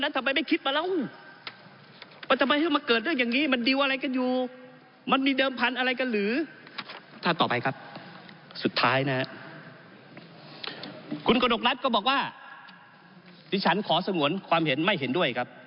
ที่ฉันขอสงวนความเห็นไม่เห็นด้วยครับ